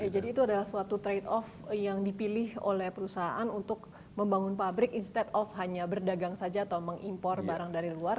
jadi itu adalah suatu trade off yang dipilih oleh perusahaan untuk membangun pabrik instead of hanya berdagang saja atau mengimpor barang dari luar